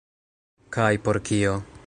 Kaj por kio?